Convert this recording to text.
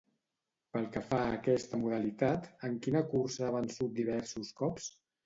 Pel que fa a aquesta modalitat, en quina cursa ha vençut diversos cops?